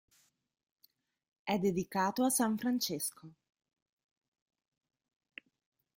È dedicato a san Francesco.